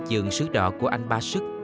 nhịp dượng sứ đỏ của anh ba sức